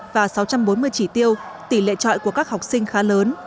và sáu trăm bốn mươi chỉ tiêu tỷ lệ trọi của các học sinh khá lớn